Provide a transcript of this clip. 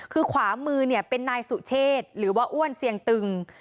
คือขวามือเป็นนายสุเชษหรือว่าอ้วนเสียงตึง